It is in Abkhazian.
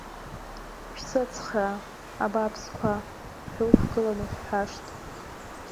Шәсыцхраа, абааԥсқәа, ҳәа уқәгылан уҳәҳәашт.